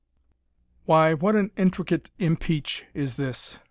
Why, what an intricate impeach is this!